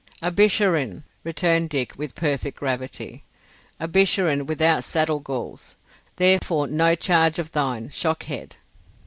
"A Bisharin," returned Dick, with perfect gravity. "A Bisharin without saddle galls. Therefore no charge of thine, shock head."